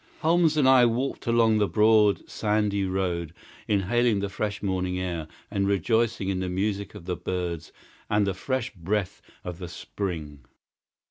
Holmes and I walked along the broad, sandy road inhaling the fresh morning air, and rejoicing in the music of the birds and the fresh breath of the spring.